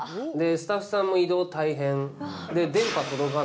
スタッフさんも移動、大変。